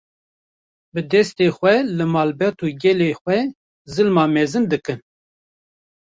bi destê xwe li malbat û gelê xwe zilma mezin dikin